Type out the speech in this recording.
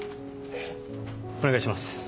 お願いします